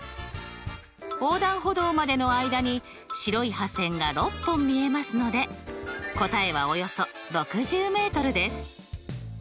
横断歩道までの間に白い破線が６本見えますので答えはおよそ６０ｍです。